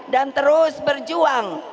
dan terus berjuang